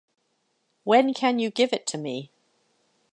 When can you give it to me?